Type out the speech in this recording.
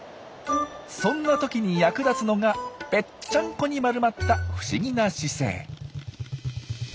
そんなときに役立つのがぺっちゃんこに丸まった不思議な姿勢。